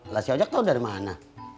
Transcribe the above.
lah si ojak tau dari mana